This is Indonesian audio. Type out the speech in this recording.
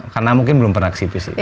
karena mungkin belum pernah ke cpc